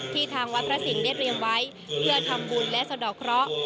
ทางวัดพระสิงห์ได้เรียมไว้เพื่อทำบุญและสะดอกเคราะห์